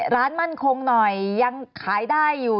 ร้านมั่นคงหน่อยยังขายได้อยู่